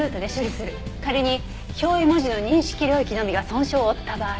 仮に表意文字の認識領域のみが損傷を負った場合。